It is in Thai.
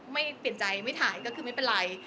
ไม่เปลี่ยนใจไม่ถ่ายก็คือไม่เป็นไร